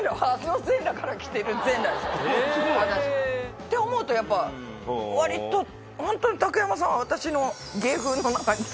って思うとやっぱ割とホントに竹山さんは。いるんだね。